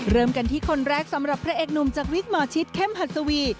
เริ่มกันที่คนแรกสำหรับพระเอกหนุ่มจากวิกหมอชิดเข้มหัดสวี